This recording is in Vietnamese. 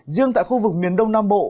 riêng tại khu vực miền đông nam bộ